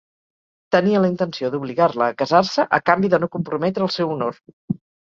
Tenia la intenció d'obligar-la a casar-se a canvi de no comprometre el seu honor.